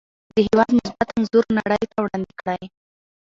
د هېواد مثبت انځور نړۍ ته وړاندې کړئ.